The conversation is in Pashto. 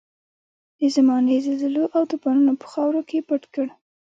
د زمانې زلزلو او توپانونو په خاورو کې پټ کړ.